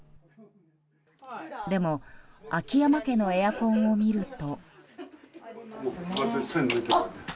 でも、秋山家のエアコンを見ると。